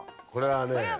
これはね